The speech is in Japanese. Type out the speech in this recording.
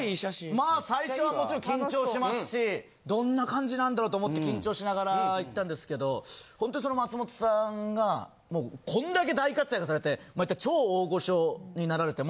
・まあ最初はもちろん緊張しますしどんな感じなんだろう？と思って緊張しながら行ったんですけどほんとにその松本さんがもうこんだけ大活躍されて言ったら超大御所になられても。